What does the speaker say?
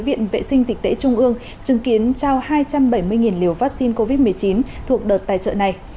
viện vệ sinh dịch tễ trung ương chứng kiến trao hai trăm bảy mươi liều vaccine covid một mươi chín thuộc đợt tài trợ này